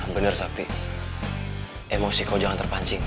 bener sakti emosi kamu jangan terpancing